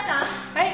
はい。